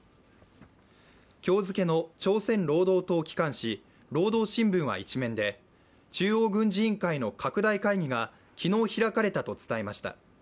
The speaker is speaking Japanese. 今日付の朝鮮労働党機関紙「労働新聞」は１面で中央軍事委員会の拡大会議が昨日開かれたと伝えました。